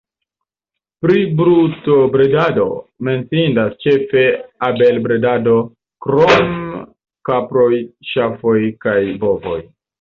Pri brutobredado menciindas ĉefe abelbredado, krom kaproj, ŝafoj kaj bovoj.